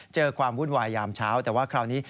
เจอความหุ้นไหวอ่ามเช้าแต่ว่าคราวนี้